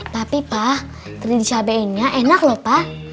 tapi pak teri dicabainnya enak lho pak